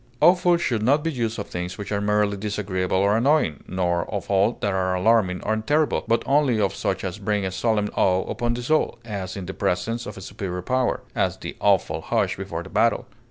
Awful should not be used of things which are merely disagreeable or annoying, nor of all that are alarming and terrible, but only of such as bring a solemn awe upon the soul, as in the presence of a superior power; as, the awful hush before the battle.